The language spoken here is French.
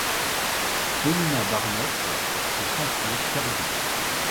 Paulina Barnett se sentirent perdus !